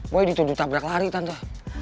boy dituduh tabrak lari tante